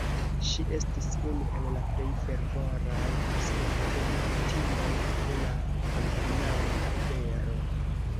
Ŝi estis unu el la plej fervoraj subtenantinoj de la kalvinana afero.